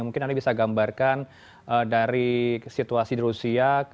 mungkin anda bisa gambarkan dari situasi di rusia